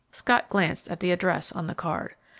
Scott glanced again at the address on the card.